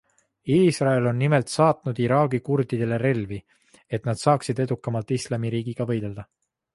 Iisrael on nimelt saatnud Iraagi kurdidele relvi, et nad saaksid edukamalt Islamiriigiga võidelda.